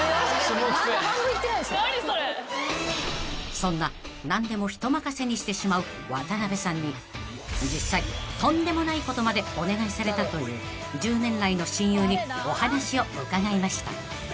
［そんな何でも人任せにしてしまう渡辺さんに実際とんでもないことまでお願いされたという１０年来の親友にお話を伺いました］